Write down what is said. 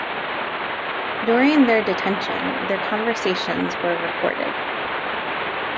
During their detention, their conversations were recorded.